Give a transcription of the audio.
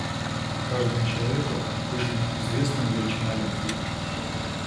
Каждому человеку отпущена известная величина любви.